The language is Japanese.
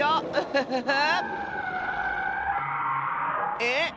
えっ？